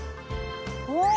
お！